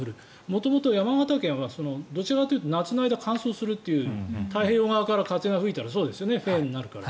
元々、山形県はどちらかというと夏の間乾燥するという太平洋側から風が吹いたらそうですよねフェーンになるから。